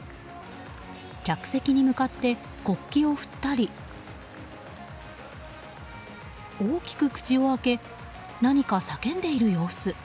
客席に向かって国旗を振ったり大きく口を開け何か叫んでいる様子。